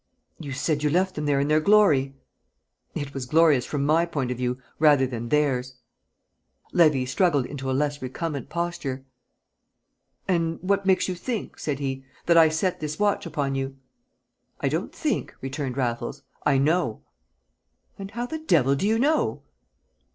"You said you left them there in their glory." "It was glorious from my point of view rather than theirs." Levy struggled into a less recumbent posture. "And what makes you think," said he, "that I set this watch upon you?" "I don't think," returned Raffles. "I know." "And how the devil do you know?"